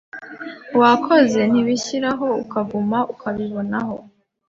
wakoza ntibishireho ukaguma ukabibonaho